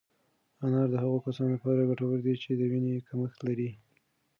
انار د هغو کسانو لپاره ګټور دی چې د وینې کمښت لري.